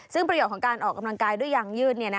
ซึ่งประโยชน์ของการออกกำลังกายด้วยยางยืด